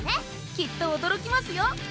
きっとおどろきますよ